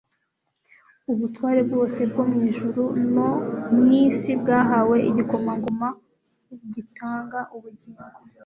Ubutware bwose bwo mu ijuru no mu isi bwahawe Igikomangoma gitanga ubugingo